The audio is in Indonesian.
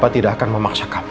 papa tidak akan mau memaksa kamu